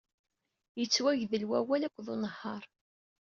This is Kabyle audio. Yettwagdel wawal akked unehhaṛ.